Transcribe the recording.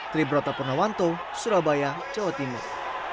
triburota purnawanto surabaya jawa timur